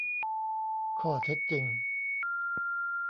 ข้อเท็จจริง